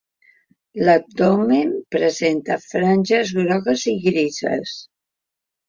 L'abdomen presenta franges grogues i grises.